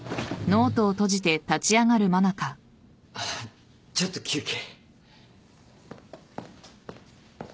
あっちょっと休憩。